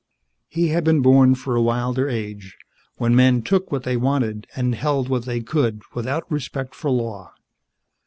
He had been born for a wilder age, when men took what they wanted and held what they could without respect for law.